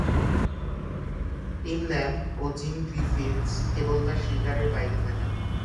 Team Lamb ও Jim Griffiths কেবল তার শিকারের বাইরে থাকেন।